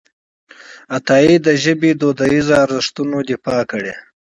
عطایي د ژبې د دودیزو ارزښتونو دفاع کړې ده.